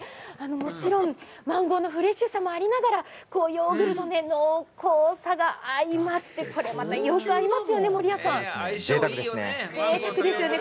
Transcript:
もちろんマンゴーのフレッシュさもありながらヨーグルトの濃厚さが相まって、これまたよく合いますよね。